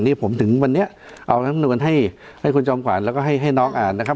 นี่ผมถึงวันนี้เอารำนวลให้ให้คุณจอมขวัญแล้วก็ให้น้องอ่านนะครับ